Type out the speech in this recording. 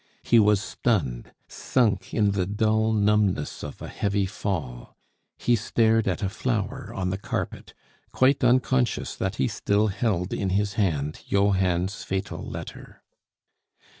He was stunned, sunk in the dull numbness of a heavy fall. He stared at a flower on the carpet, quite unconscious that he still held in his hand Johann's fatal letter.